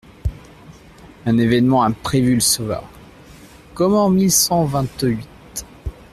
Un événement imprévu le sauva, comme en mille cinq cent vingt-huit.